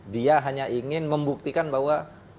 dia hanya ingin membuktikan bahwa